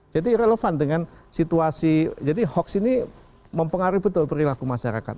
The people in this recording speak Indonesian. jadi relevan dengan situasi jadi hoax ini mempengaruhi betul perilaku masyarakat